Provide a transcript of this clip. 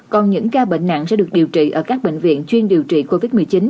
còn những ca bệnh nặng sẽ được điều trị ở các bệnh viện chuyên điều trị covid một mươi chín